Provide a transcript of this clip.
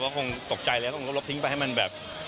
ก็คงตกใจแล้วก็คงลบทิ้งไปให้มันแบบ